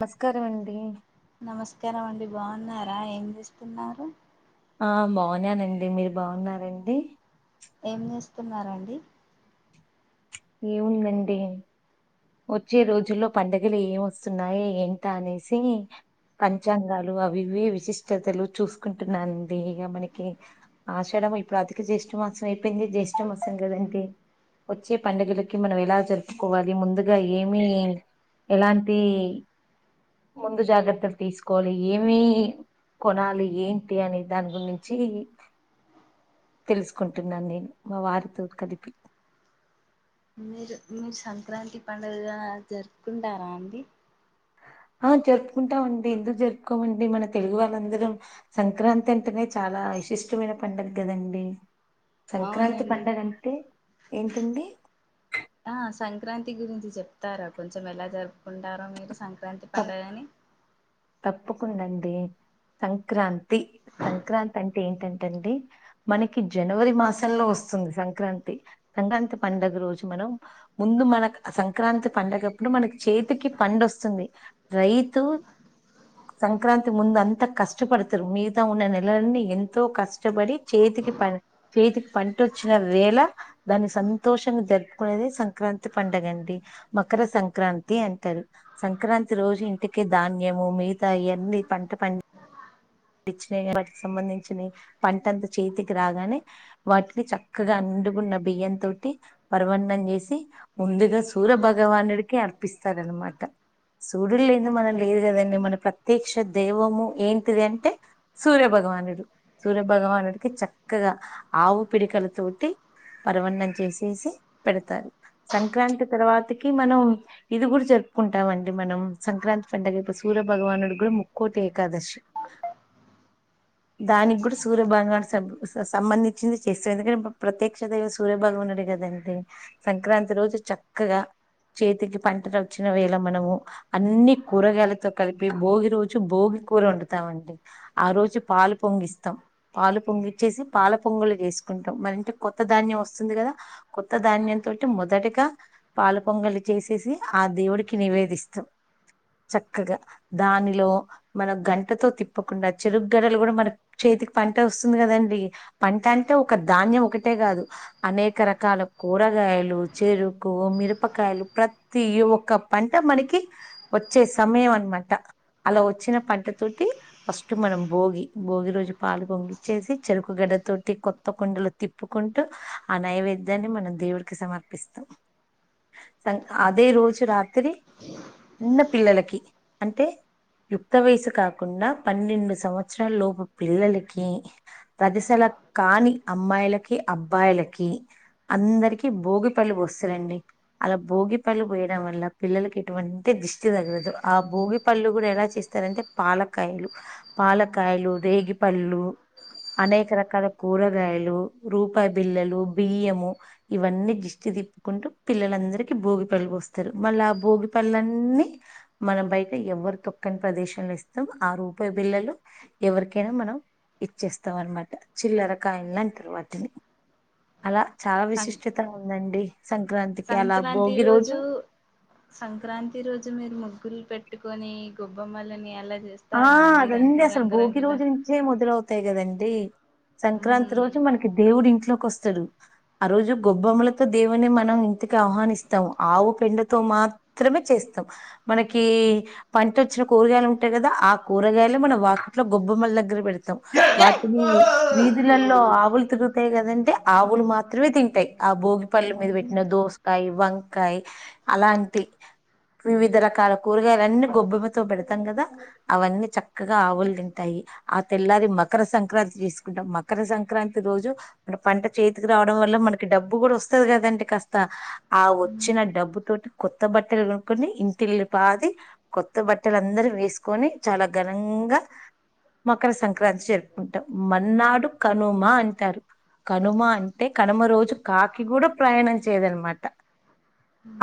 నమస్కారమండి నమస్కారం అండి బాగున్నారా ఏం చేస్తున్నారు ఆ బాగున్నానండి మీరు బాగున్నారండి ఏం చేస్తున్నరండి ఏముందండి వచ్చే రోజుల్లో పండుగలు ఏం వస్తున్నాయ ఎంట అనేసి పంచాంగాలు అవివి విశిష్టతలు చూసుకుంటున్నానండి ఇగ మనకి ఆషడం ఇప్పుడు అధిక జ్యేష్ఠ మాసం అయిపోయింది జ్యేఠ మాసం కదండి వచ్చే పండుగలకి మనం ఎలా జరుపుకోవాలి ముందుగా ఏమి ఎలాంటి ముందు జాగ్రత్తలు తీసుకోవాలి ఏమి కొనాలి ఏంటి అనే దాని గురించి తెలుసుకుంటున్నాను నేను మా వారితో కలిపి మీరు మీరు సంక్రాంతి పండుగ గన జరుపుకుంటారా అండి ఆ జరుపుకుంటామండి ఎందుకు జరుపుకోమండి మన తెలుగు వాళ్ళందరం సంక్రాంతి అంటేనే చాలా విశిష్టమైన పండగ కదండి సంక్రాంతి పండగ అంటే ఏంటండి ఆ సంక్రాంతి గురించి చెప్తారా కొంచెం ఎలా జరుపుకుంటారో మీరు సంక్రాంతి పండగని తప్పకుండాండి సంక్రాంతి సంక్రాంతి అంటే ఏంటంటండి మనకి జనవరి మాసంలో వస్తుంది సంక్రాంతి సంక్రాంతి పండుగ రోజు మనం ముందు మనకు సంక్రాంతి పండగప్పుడు మనకి చేతికి పండోస్తుంది రైతు అ సంక్రాంతి ముందు అంత కష్టపడతారు మిగతా ఉన్న నెలలన్నీ ఎంతో కష్టపడి చేతికి ప చేతికి పంట వచ్చిన వేళ దాన్ని సంతోషంగా జరుపుకునేది సంక్రాంతి పండుగ అండి మకర సంక్రాంతి అంటారు సంక్రాంతి ప్రతి రోజు ఇంటికి ధాన్యము మిగతా ఇవన్నీ పంట పండి తెచ్చిన వాటికి సంబంధించినవి పంటంత చేతికి రాగానే వాటిని చక్కగా నిండుగున్న బియ్యం తోటి పర్వన్నం చేసి ముందుగా సూర్యభగవానుడికి అర్పిస్తారనమాట సూరీడు లేంది మనం లేదు కదండి మన ప్రత్యక్ష దైవము ఏంటిదం టే సూర్యభగవానుడు సూర్యభగవానుడికి చక్కగా ఆవు పిడికలతోటి పర్వన్నం చేసేసి పెడతారు సంక్రాంతి తర్వాతకి మనం ఇది కూడా జరుపుకుంటాం అండి మనం సంక్రాంతి పండుగ కు సూర్యభగవానుడు కూడా ముక్కోటి ఏకాదశి దానికి కూడా సూర్యభగాన్ని సబ్ స సంబంధించింది చేస్తది ఎందుకంటే ప్రత్యక్ష దైవ సు సూర్యభగవానుడే కదండి సంక్రాంతి రోజు చక్కగా చేతికి పంటలు వచ్చిన వేళ మనము అన్ని కూరగాయలతో కలిపి భోగి రోజు భోగి కూర వండుతామండి ఆ రోజు పాలు పొంగిస్తాం పాలు పొంగిచ్చేసి పాల పొంగలు వేసుకుంటాం మన ఇంటికి కొత్త ధాన్యం వస్తుంది కదా కొత్త ధాన్యంతోటి మొదటిగా పాల పొంగలి చేసేసి ఆ దేవుడికి నివేదిస్తు చక్కగా దానిలో మనం గంటతో తిప్ తప్పకుండా చెరుకు గడలు కూడా మన చేతికి పంట వస్తుంది కదండి పంట అంటే ఒక ధాన్యం ఒకటే కాదు అనేక రకాల కూరగాయలు, చెరుకు, మిరపకాయలు ప్ర తీ ఒక్క పంట మనకి వచ్చే సమయం అనమాట. అలా వచ్చిన పంటతోటి ఇటు మనం భోగి, భోగి రోజు పాలు పొంగిచ్చేసి చెరుకుగడ తోటి కొత్త కుండలో తిప్పుకుంటూ ఆ నైవేద్యాన్ని మనం దేవుడికి సమర్పిస్తాం. సం అదే రోజు రాత్ తిరి చిన్న పిల్లలకి అంటే యుక్త వయసు కాకుండా పన్నెండు సంవత్సరాల లోపు పిల్లలకి ప్రదిశల కాని అమ్మాయిలకి అబ్బాయిలకి అందరికి భోగిపళ్ళు పోస్తారండి అలా భోగి పళ్ళు పోయడం వల్ల పిల్లలకి ఎటువంటి దృష్టి తగరదు. ఆ భోగి పళ్ళు కూడా ఎలా చేస్తారంటే పాలకాయలు పాలకాయలు, రేగి పళ్ళు అనేక రకాల కూరగాయలు, రూపాయి బిల్లలు, బియ్యము ఇవన్నీ దిష్టి తిప్పుకుంటూ పిల్లలందరికీ భోగి పళ్ళు పోస్తారు మళ్ళ ఆ భోగి పళ్ళన్నీ మనం బయట ఎవరు తొక్కని ప్రదేశం వేస్తూ ఆ రూపాయి బిల్లలు ఎవరికైనా మనం ఇచ్చేస్తాం అనమాట చిల్లరకాయిన్లు అంటారు వాటిని అలా చాలా విశిష్టత ఉందండి సంక్రాంతికి అలా భోగి రోజు సంక్రాంతి రోజు మీరు ముగ్గులు పెట్టుకొని గొబ్బమ్మలని ఎలా చేస్ ఆ అదండి అసలు భోగి రోజు నుంచే మొదలవుతాయి కదండి! సంక్రాంతి రోజు మన కి దేవుడు ఇంట్లోకి వస్తాడు ఆ రోజు గొబ్బమ్మలతో దేవున్నీ మనం ఇంటికి ఆహ్వానిస్తాము ఆవు పెండతో మాత్ త్రమే చేస్తాం మనకి పంట వచ్చిన కూరగాయలు ఉంటాయి కదా ఆ కూరగాయలే మనం వాకిట్లో గొబ్బమ్మల దగ్గర పెడతాం. ఏయ్! వాటిని వీధులలో ఆవులు తిరుగుతాయి కదంటె ఆవులు మాత్రమే తింటాయి ఆ భోగి పల్లు మీద పెట్టిన దోసకాయ, వంకాయ అలాంటి వివిధ రకాల కూరగాయలన్నీ గొబ్బెమ్మతో పెడతాం కదా అవన్నీ చక్కగా ఆవులు తింటాయి. ఆ తెల్లారి మకర సంక్రాంతి చేసుకుంటాం. మకర సంక్రాంతి రోజు, మన పంట చేతికి రావడం వల్ల మనకి డబ్బు కూడా వస్తది కదండి కాస్త ఆ వచ్చిన డబ్బు తోటి కొత్త బట్టలు కొనుకొని ఇంటిల్లు పాది కొత్త బట్టలు అందరూ వేసుకొని, చాలా ఘనంగా మకర సంక్రాంతి జరుపుకుంటాం. మన్నాడు కనుమ అంటారు కనుమ అంటే కనుమ రోజు కాకి కూడ ప్రయాణం చేయదనమాట.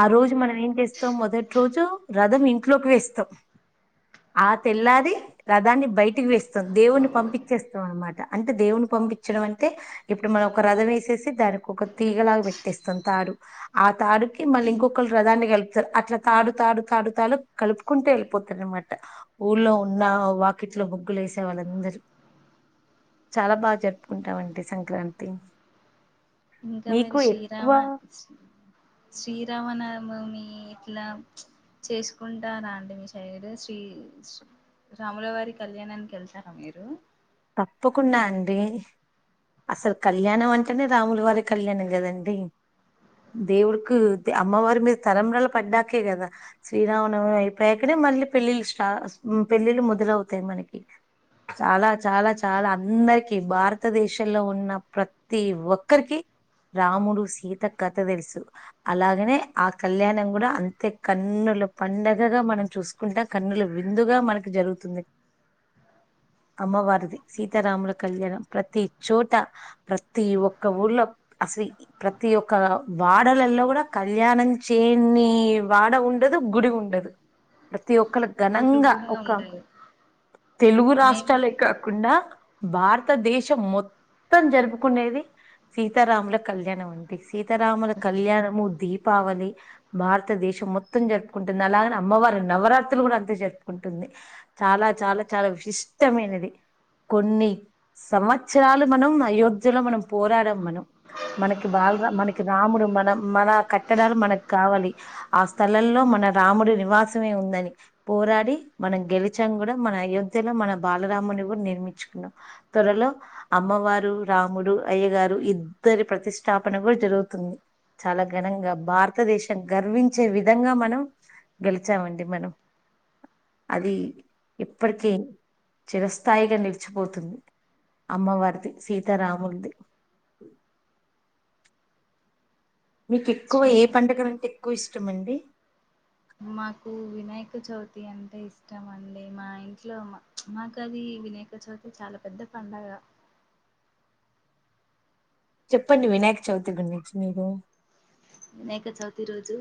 ఆ రోజు మనం ఏం చేస్తాం మొదటి రోజు రథం ఇంట్లోకి వేస్తాం ఆ తెల్లాది రథాన్ని బయటికి వేస్తాం దేవుని పంపించేస్తాం అనమాట అంటే దేవుని పంపించడం అంటే ఇప్పుడు మనం ఒక రథం వేసేసి దానికి ఒక తీగలాగా పెట్టేస్తాం తాడు ఆ తాడుకి మళ్ళీ ఇంకొకరు రథాన్ని కలుపుతారు అట్లా తాడు తాడు తాడు తాడు కలుపుకుంట వెళ్ళిపోతారునమాట ఊళ్లో ఉన్న వాకిట్లో ముగ్గులు వేసే వాళ్ళందరు చాలా బాగా జరుపుకుంటామండి సంక్రాంతి ఇంకా మీరు మీకు శ్రీరామ ఎక్కువ శ్రీరామనవమి ఇట్లా చేసుకుంటార అండి మీ సైడ్ శ్రీ శ్రీ రాములవారి కళ్యాణానికి వెళ్తారా మీరు తప్పకుండా అండి అసలు కళ్యాణం అంటేనే రాములు వారికి కళ్యాణం కదండి దేవుడికి అమ్మవారి మీరు తలంబ్రాలు పడ్డాకే కదా శ్రీరామనవమి అయిపోయాకడే మళ్ళీ పెళ్ళిలు స్టా ఉమ్మ్ పెళ్ళిలు మొదలవుతాయి మనకి చాలా చాలా చాలా అందరికి భారతదేశంలో ఉన్న ప్రతి ఒక్కరికి రాముడు సీత కథ తెలుసు అలాగనే ఆ కళ్యాణం కూడా అంతే కన్నుల పండగగా మనం చూసు కుండ కన్నులు విందుగా మనకి జరుగుతుంది అమ్మవారిది సీతారాముల కళ్యాణం ప్రతి చోట ప్రతి ఒక్క ఊర్లో అసలు ప్రతి ఒక్క వాడలలో కూడా కళ్యాణం చేయని వాడ ఉ డదు గుడి ఉండదు ప్రతి ఒక్కళ ఘనంగా ఒక తెలుగు రాష్ట్ర కాకుండా భారతదేశం మొత్తం జరుపుకునేది సీతారాముల కళ్యాణం అండి సీతారాముల కళ్యాణము దీపావళి భారతదేశం మొత్తం జరుపుకుంటుంది అలాగనే అమ్మవారి నవరాత్రులు కూడా అంతే జరుపుకుంటుంది చాలా చాలా చాలా విశిష్టమైనది కొన్ని సంవత్సరాలు మనం అయోధ్యలో మనం పోరాడాం మనం మనకి బాలరా మనకి రాముడు మన మన కట్టడాలు మనకి కావాలి ఆ స్థలంలో మన రాముడి నివాసమే ఉందని పోరాడి మనం గెలిచం కూడా మన అయోధ్యలో మన బాలరాముని కూడా నిర్మించుకున్నాం త్వరలో అమ్మవారు రాముడు అయ్య గారు ఇద్దరి ప్రతిష్టాపన కూడా జరుగుతుంది చాలా ఘనంగా భారతదేశం గర్వించే విధంగా మనం గెలిచామండి మనం అది ఇప్పటికీ చిరస్థాయిగా నిలిచిపోతుంది అమ్మవారిది సీతారాములది మీకు ఎక్కువ ఏ పండగలు అంటే ఎక్కువ ఇష్టం అండి మాకు వినాయక చవితి అంటే ఇష్టం అండి మా ఇంట్లో మా మాకాది వినాయక చవితి చాలా పెద్ద పండగ చెప్పండి వినాయక చవితి గురించి మీరు వినాక చవితి రోజు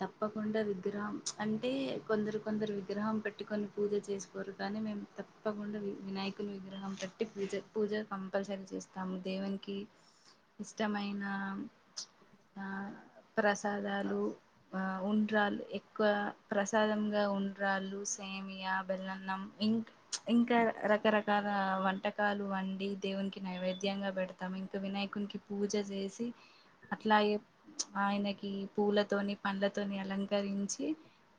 తప్పకుండా విగ్రహం అంటే కొందరు కొందరు విగ్రహం పె ట్టుకొని పూజ చేసుకోరు కానీ మేము తప్పకుండా వినాయకుని విగ్రహం పెట్టీ పూజ పూజ కంపల్సరీ చేస్తాము దేవునికి ఇష్టమైన ఆ ప్రసాదాలు ఆ ఉండ్రాలు ఎక్కువ ప్రసాదంగా ఉండ్రాళ్లు సేమియా బెల్లన్నం ఇంక ఇంకా రకరకాల వంటకాలు వండి దేవునికి నైవేద్యంగా పెడతాం ఇంకా వినాయకునికి పూజ చేసి అట్లా ఎప్ ఆయనకి పూలతోని పండ్లతోని అలంకరించి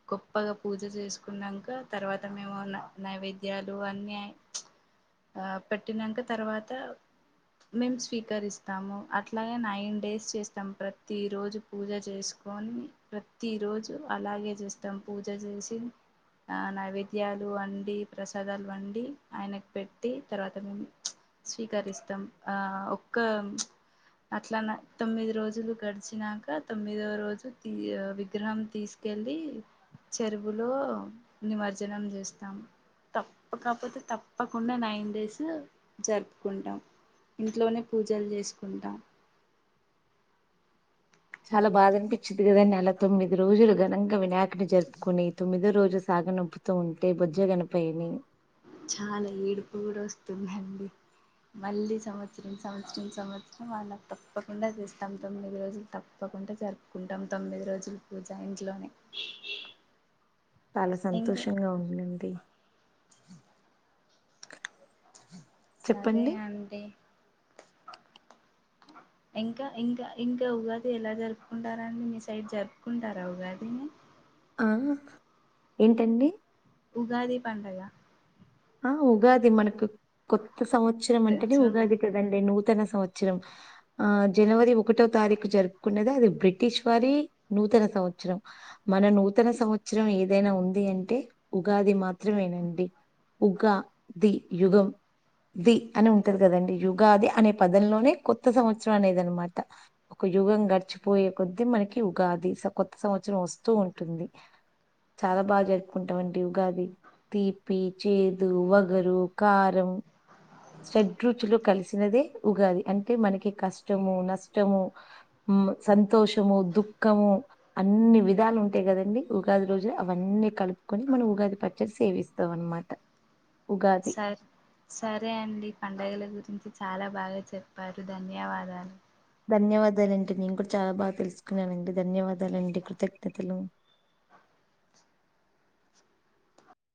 గొప్పగా పూజ చేసుకున్నాక తర్వాత మేము న నైవేద్యాలు అన్నీ ఆ పెట్టినాక తర్వాత మేము స్వీకరిస్తాము అట్లాగే నైన్ డేస్ చేస్తాం ప్రతి ప్రతిరోజు పూజ చేసుకని ప్రతిరోజు అలాగే చేస్తాం పూజ చేసి ఆ నైవేద్యాలు వండి ప్రసాదాలు వండి ఆయనకు పెట్టి తర్వాత మేము స్వీకరిస్తాం ఆ ఒక్క ప్చ్ అట్లానా తొమ్మిది రోజులు గ వచ్చినాక తొమ్మిదవ రోజు తీ విగ్రహం తీసుకెలి చెరువులో నిమజ్జనం చేస్తాం తప్పక కపోతే తప్పకుండా నైన్ డేస్ జరుపుకుంటాం ఇంట్లోనే పూజలు చేసుకుంటా చాలా బాధ అనిపించిది కదండి అలా తొమ్మిది రోజులు ఘనంగా వినాయకుని జరుపుకుని తొమ్మిదో రోజు సాగ నొంపుతూ ఉంటే బొజ్జగనపయ్యని చాలా ఏడుపు కూడ వస్తుందండి మళ్ళీ సంవత్సరం సంవత్సరం సంవత్సరం వాళ్ళకు తప్పకుండా చేస్తాం తొమ్మిది రోజులు తప్ తప్పకుండా జరుపుకుంటాం తొమ్మిది రోజులు పూజా ఇంట్లోనే చాలా సంతోషంగా ఉందండి సరే చెప్పండి అండి ఇంకా ఇంకా ఇంకా ఉగాది ఎలా జరుపుకుంటారా అండి మీ సైడ్ జరుపుకుంటారా ఉగాది ఆ ఏంటండి ఉగాది పండగ ఆ ఉగాది మనకు కొత్త సంవత్సరం అంటేనే ఉగాది కదా అండి నూతన సంవత్సరం ఆ జనవరి ఒకటో తారీఖు జరుపుకున్నది అది బ్రి బ్రిటిష్ వారి నూతన సంవత్సరం మన నూతన సంవత్సరం ఏదైనా ఉంది అంటే ఉగాది మాత్రమేనండి ఉగ్గా ది యుగం ది అని ఉంటది కదండి ఉగాది అనే పదంలోనే కొత్త సంవత్సరం అనేది అనమాట ఒక యుగం గడిచిపోయే కొద్ది మనకి ఉగాది స కొత్త సంవత్సరం వస్తూ ఉంటుంది చాలా బాగా జరుపుకుంటాం అండి ఉగాది తీపి చేదు వగరు కారం ఇన్ఆడియోబుల్ షెడ్ రుచులు కలిసినదే ఉగాది అంటే మనకి కష్టము నష్టము ఉమ్ సంతోషము దుఃఖము అన్ని విధాలు ఉంటాయి కదండి ఉగాది రోజు అవన్నీ కలుపుకొని మనం ఉగాది పచ్చడి సేవిస్తాం అన్నమాట ఉగాది సర్ సరే అండి పండుగల గురించి చాలా బాగా చెప్పారు ధన్యవాదాలు ధన్యవాదాలు అండి మేం కూడ చాలా బాగ తెలుసుకున్నామండి ధన్యవాదాలండి కృతజ్ఞతలు